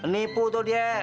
nipu tuh dia